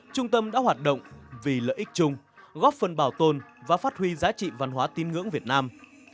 trung tâm đã hoạt động vì lợi ích chung góp phần bảo tồn và phát huy giá trị văn hóa tin ngưỡng việt nam